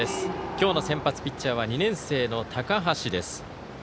今日の先発ピッチャーは２年生の高橋です。